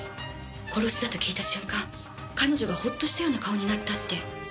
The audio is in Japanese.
殺しだと聞いた瞬間彼女がほっとしたような顔になったって。